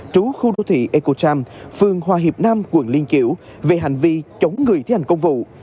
trú khu đô thị ecocham phường hòa hiệp nam quận liên kiểu về hành vi chống người thi hành công vụ